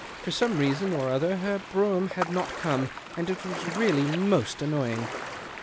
For some reason or other her brougham had not come, and it was really most annoying.